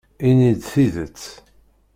Ini-d tidet.